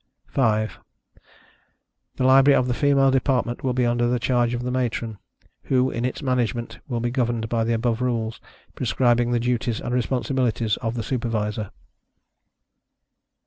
5. The Library of the female department will be under the charge of the Matron, who, in its management, will be governed by the above rules, prescribing the duties and responsibilities of the Supervisor.